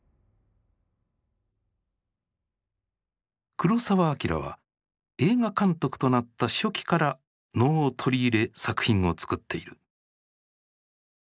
黒澤明は映画監督となった初期から能を取り入れ作品を作っている。